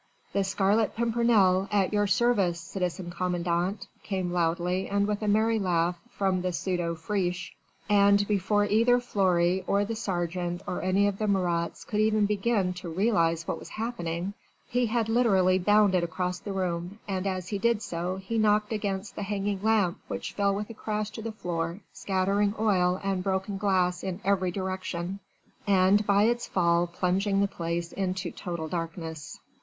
"The Scarlet Pimpernel, at your service, citizen commandant," came loudly and with a merry laugh from the pseudo Friche. And before either Fleury or the sergeant or any of the Marats could even begin to realise what was happening, he had literally bounded across the room, and as he did so he knocked against the hanging lamp which fell with a crash to the floor, scattering oil and broken glass in every direction and by its fall plunging the place into total darkness.